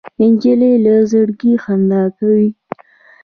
نجلۍ له زړګي خندا کوي.